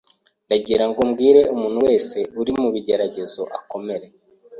Ndagirango mbwire umuntu wese uri mu bigeragezo akomere